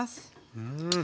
うん。